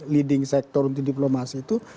leading sektor untuk diplomasi itu